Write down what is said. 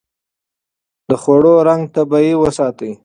د خوړو رنګ طبيعي وساتئ.